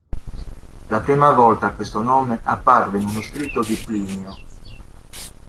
La prima volta questo nome apparve in uno scritto di Plinio.